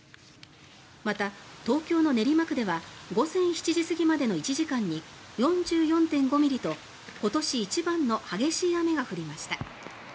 また、東京の練馬区では午前７時過ぎまでの１時間に４４．５ミリと今年一番の激しい雨が降りました。